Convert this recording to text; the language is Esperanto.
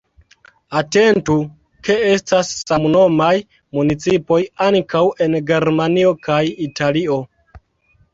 Atentu, ke estas samnomaj municipoj ankaŭ en Germanio kaj Italio.